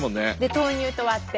豆乳と割って。